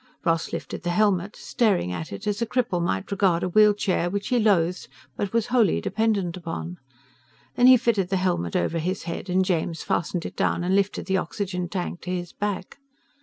Ross lifted the helmet, staring at it as a cripple might regard a wheelchair which he loathed but was wholly dependent upon. Then he fitted the helmet over his head and James fastened it down and lifted the oxygen tank to his back.